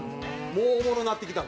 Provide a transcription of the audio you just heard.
もうおもろなってきた。